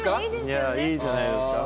いいじゃないですか。